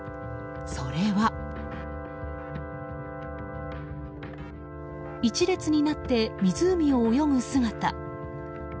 それは、一列になって湖を泳ぐ姿。